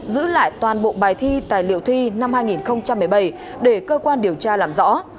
giữ lại toàn bộ bài thi tài liệu thi năm hai nghìn một mươi bảy để cơ quan điều tra làm rõ